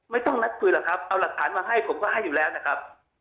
ไม่ต้องนัดคุยหรอกครับเอาหลักฐานมาให้ผมก็ให้อยู่แล้วนะครับ